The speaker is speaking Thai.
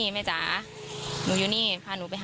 แม่จ๊า